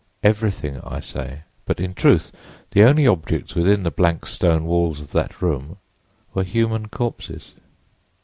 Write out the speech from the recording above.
Everything, I say, but in truth the only objects within the blank stone walls of that room were human corpses.